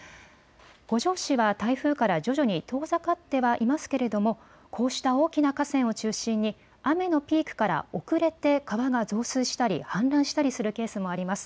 五條市は台風から徐々に遠ざかってはいますけれどもこうした大きな河川を中心に雨のピークから遅れて川が増水したり氾濫したりするケースもあります。